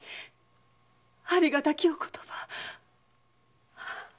ありがたきお言葉。